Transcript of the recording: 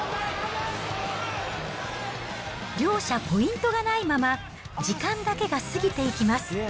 両者ポイントがないまま、時間だけが過ぎていきます。